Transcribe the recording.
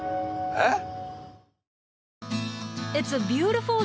えっ！？